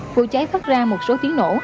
vụ cháy phát ra một số tiếng nổ